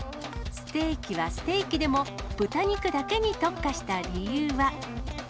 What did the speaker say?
ステーキはステーキでも、豚肉だけに特化した理由は。